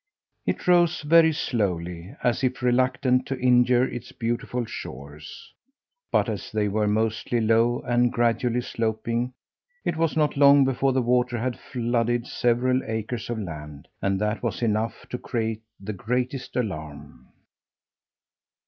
It rose very slowly, as if reluctant to injure its beautiful shores; but as they were mostly low and gradually sloping, it was not long before the water had flooded several acres of land, and that was enough to create the greatest alarm.